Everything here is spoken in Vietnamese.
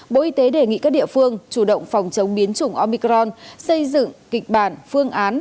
bộ y tế đề nghị các địa phương chủ động phòng chống biến chủng omicron xây dựng kịch bản phương án